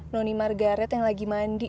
noni margaret yang lagi mandi